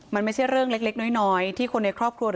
มันไม่ใช่เรื่องเล็กน้อยที่คนในครอบครัว